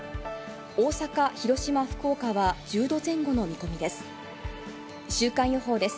大阪、広島、福岡は１０度前後の見込みです。